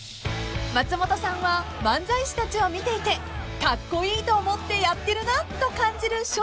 ［松本さんは漫才師たちを見ていてカッコイイと思ってやってるなと感じる所作があるそうで］